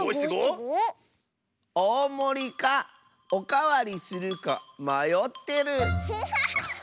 「おおもりかおかわりするかまよってる」。